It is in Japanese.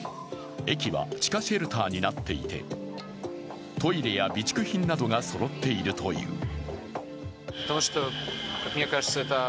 駅は地下シェルターになっていて、トイレや備蓄品などがそろっているという。